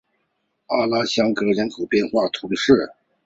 阿拉香槟人口变化图示